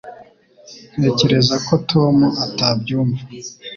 Ntekereza ko Tom atabyumva